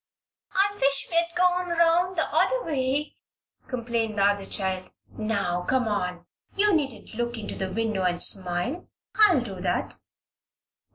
"I wish we'd gone 'round the other way," complained the other child. "Now, come on. You needn't look into the window and smile. I'll do that."